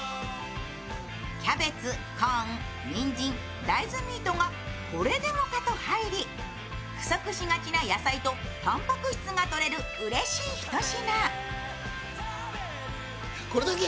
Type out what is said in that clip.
キャベツ、コーン、にんじん、大豆ミートがこれでもかと入り不足しがちな野菜とたんぱく質がとれるうれしい一品。